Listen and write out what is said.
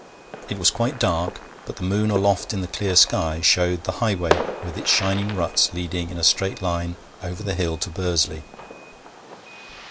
It was quite dark, but the moon aloft in the clear sky showed the highway with its shining ruts leading in a straight line over the hill to Bursley.